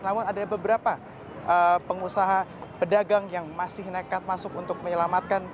namun ada beberapa pengusaha pedagang yang masih nekat masuk untuk menyelamatkan